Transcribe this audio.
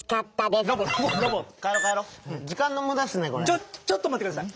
ちょちょっとまってください。